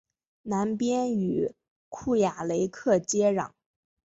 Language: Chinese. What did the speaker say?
南边与库雅雷克接壤。